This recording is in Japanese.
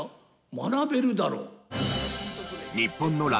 学べるだろう。